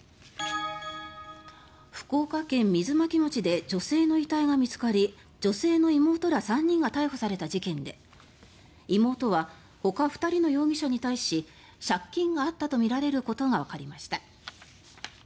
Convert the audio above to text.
福岡県水巻町で女性の遺体が見つかり女性の妹ら３人が逮捕された事件で妹はほか２人の容疑者に対し借金があったとみられることがわかりました。